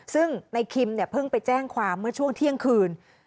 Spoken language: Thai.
ซึ่งในคิมเนี่ยเพิ่งไปแจ้งความเมื่อช่วงเที่ยงคืน